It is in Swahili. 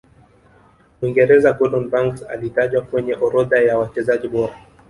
mwingereza gordon Banks alitajwa kwenye orodha ya wachezaji bora